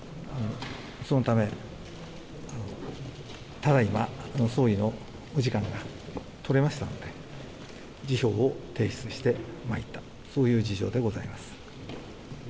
そのため、ただいま総理のお時間がとれましたので辞表を提出してまいったそういう事情でございます。